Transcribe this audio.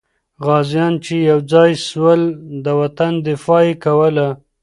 غازیان چې یو ځای سول، د وطن دفاع یې کوله.